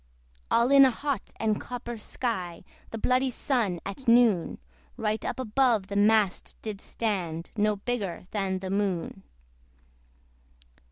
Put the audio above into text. All in a hot and copper sky, The bloody Sun, at noon, Right up above the mast did stand, No bigger than the Moon.